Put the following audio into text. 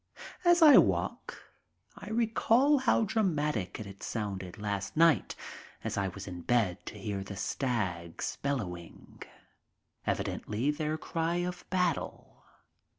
As I walk I recall how dramatic it had sounded last night as I was in bed to hear the stags bellowing, evidently their cry of battle.